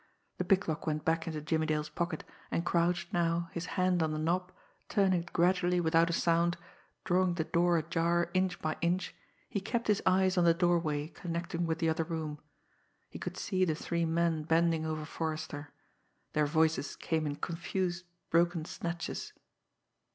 The picklock went back into Jimmie Dale's pocket, and crouched, now, his hand on the knob, turning it gradually without a sound, drawing the door ajar inch by inch, he kept his eyes on the doorway connecting with the other room. He could see the three men bending over Forrester. Their voices came in confused, broken, snatches